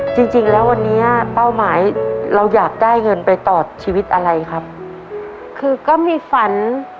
จริงจริงแล้ววันนี้เป้าหมายเราอยากได้เงินไปต่อชีวิตอะไรครับคือก็มีฝัน